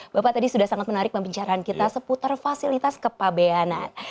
bapak tadi sudah sangat menarik pembicaraan kita seputar fasilitas kepabeanan